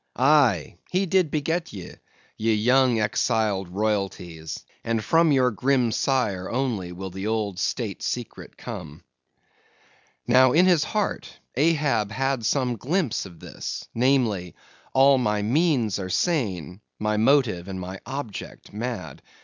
aye, he did beget ye, ye young exiled royalties; and from your grim sire only will the old State secret come. Now, in his heart, Ahab had some glimpse of this, namely: all my means are sane, my motive and my object mad.